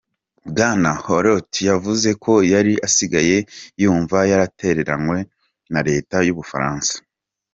Bwana Hulot yavuze ko yari asigaye yumva "yaratereranwe" na leta y'Ubufaransa.